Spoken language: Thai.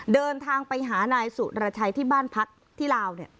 เดินทางไปหานายสุรชัยที่บ้านพักที่ลาว